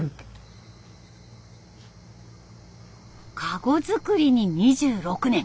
カゴ作りに２６年。